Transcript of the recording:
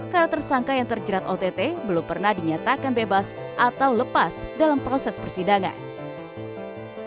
karena tersangka yang terjerat ott belum pernah dinyatakan bebas atau lepas dalam proses persidangan